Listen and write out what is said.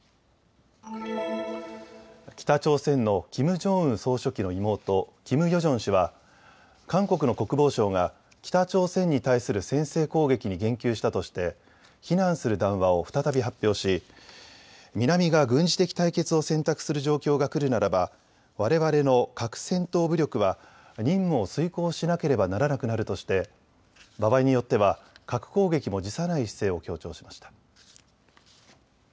北朝鮮のキム・ジョンウン総書記の妹、キム・ヨジョン氏は韓国の国防省が北朝鮮に対する先制攻撃に言及したとして非難する談話を再び発表し、南が軍事的対決を選択する状況が来るならばわれわれの核戦闘武力は任務を遂行しなければならなくなるとして場合によっては核攻撃も辞さない姿勢を強調しました。